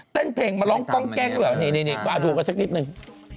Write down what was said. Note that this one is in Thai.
เพลงมาร้องกล้องแกล้งเหรอนี่ดูกันสักนิดนึง